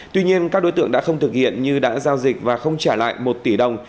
tuy nhiên các đối tượng đã không thực hiện như đã giao dịch và không trả lại một tỷ đồng